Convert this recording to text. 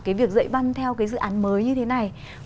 cái việc dạy văn theo cái dự án mới như thế này